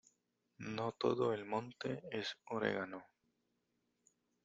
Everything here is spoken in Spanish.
No todo el monte es orégano.